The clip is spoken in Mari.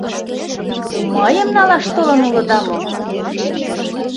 Мыйым налаш толын улыда мо?